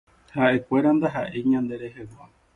Haʼekuéra ndahaʼéi ñande rehegua.